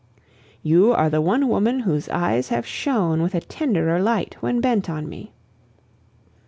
You are the one woman whose eyes have shone with a tenderer light when bent on me.